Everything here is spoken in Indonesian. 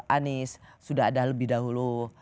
anies sudah ada lebih dahulu